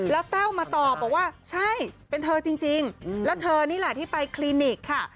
แล้วแต้วมาตอบบอกว่าใช่เป็นเธอจริงแล้วเธอนี่แหละที่ไปคลินิกค่ะ